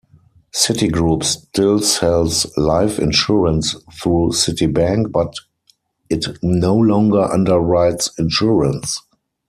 Citigroup still sells life insurance through Citibank, but it no longer underwrites insurance.